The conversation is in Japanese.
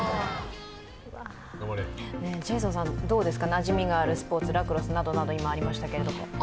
なじみがあるスポーツ、ラクロスなどなど今ありましたけど。